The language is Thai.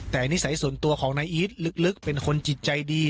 แต่นิสัยส่วนตัวของนายอีทลึกเป็นคนจิตใจดี